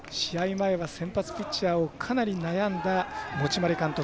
前は先発ピッチャーをかなり悩んだ持丸監督。